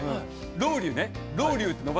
ロウリュ。